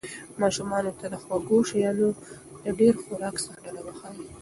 ماشومانو ته د خوږو شیانو د ډېر خوراک څخه ډډه وښایئ.